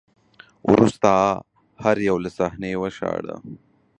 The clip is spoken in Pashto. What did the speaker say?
وروسته هر یو له صحنې وشاړه